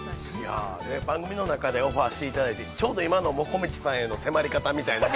◆番組の中でオファーしていただいてちょうど今のもこみちさんへの迫り方みたいな。